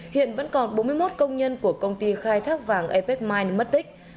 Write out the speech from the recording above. hiện vẫn còn bốn mươi một công nhân của công ty khai thác vàng apex mine mất tích